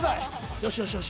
よしよしよし。